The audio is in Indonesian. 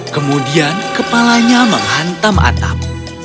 kemudian kepalanya menghantam atap